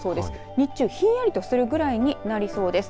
日中、ひんやりとするぐらいになりそうです。